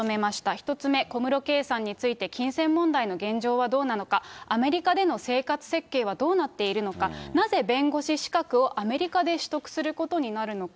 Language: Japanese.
１つ目、小室圭さんについて、金銭問題の現状はどうなのか、アメリカでの生活設計はどうなっているのか、なぜ弁護士資格をアメリカで取得することになるのか。